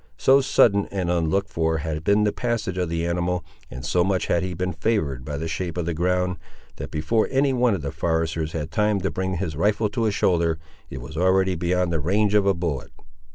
So sudden and unlooked for had been the passage of the animal, and so much had he been favoured by the shape of the ground, that before any one of the foresters had time to bring his rifle to his shoulder, it was already beyond the range of a bullet.